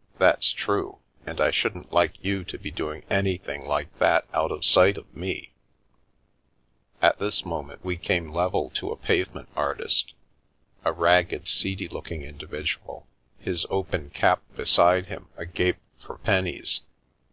" That's true, and I shouldn't like you to be doing any thing like that out of sight of me " At this moment we came level to a pavement artist — a ragged seedy looking individual, his open cap beside him agape for pennies.